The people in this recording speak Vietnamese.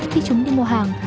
khi chúng đi mua hàng